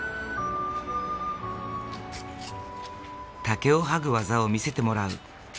竹を剥ぐ技を見せてもらう。